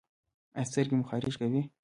ایا سترګې مو خارښ کوي؟